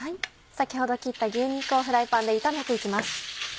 先ほど切った牛肉をフライパンで炒めて行きます。